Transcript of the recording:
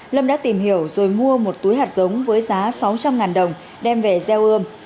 lâm đã tìm hiểu rồi mua một túi hạt giống với giá sáu trăm linh đồng đem về gieo ươm